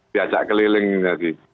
diacak keliling ini tadi